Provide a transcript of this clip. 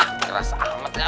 ah keras amatnya